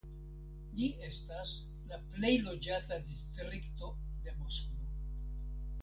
Ĝi estas la plej loĝata distrikto de Moskvo.